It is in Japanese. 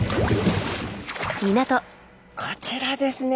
こちらですね